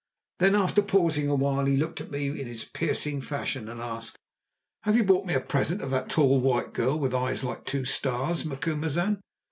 Then, after pausing a while, he looked at me in his piercing fashion and asked: "Have you brought me a present of that tall white girl with eyes like two stars, Macumazahn?